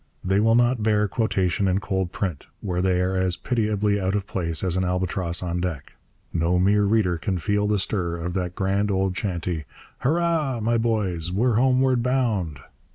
They will not bear quotation in cold print, where they are as pitiably out of place as an albatross on deck. No mere reader can feel the stir of that grand old chanty Hurrah! my boys, we're homeward bound!